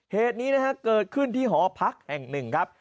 เหตุนี้นะฮะเกิดขึ้นที่หอพักแห่งหนึ่งครับ